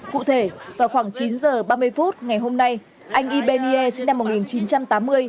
cụ thể vào khoảng chín h ba mươi phút ngày hôm nay anh ibenia sinh năm một nghìn chín trăm tám mươi